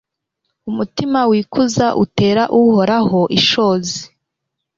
Umutima wikuza utera Uhoraho ishozi